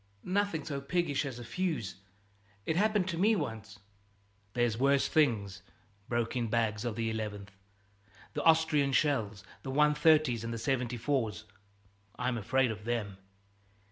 "Nothing so piggish as a fuse. It happened to me once " "There's worse things," broke in Bags of the 11th, "The Austrian shells, the 130's and the 74's. I'm afraid of them.